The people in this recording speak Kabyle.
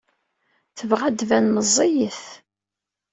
Tebɣa ad d-tban meẓẓiyet.